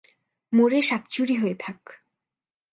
মরে শাকচুরি হয়ে থাক।